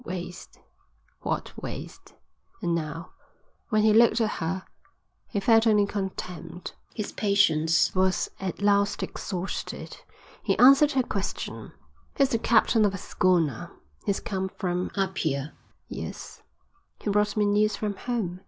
Waste, what waste! And now, when he looked at her, he felt only contempt. His patience was at last exhausted. He answered her question. "He's the captain of a schooner. He's come from Apia." "Yes." "He brought me news from home.